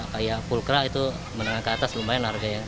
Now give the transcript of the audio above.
kayak pulkra itu menengah ke atas lumayan harganya